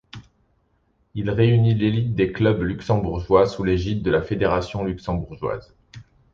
Il réunit l'élite des clubs luxembourgeois sous l'égide de la Fédération luxembourgeoise.